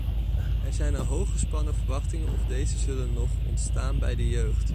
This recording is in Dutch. Er zijn al hooggespannen verwachtingen of deze zullen nog ontstaan bij de jeugd.